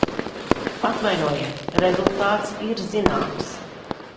Atvainojiet, rezultāts ir zināms.